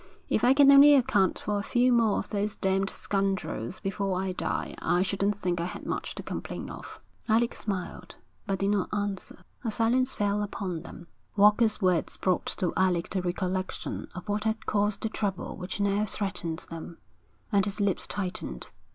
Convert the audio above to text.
If I can only account for a few more of those damned scoundrels before I die, I shouldn't think I had much to complain of.' Alec smiled, but did not answer. A silence fell upon them. Walker's words brought to Alec the recollection of what had caused the trouble which now threatened them, and his lips tightened.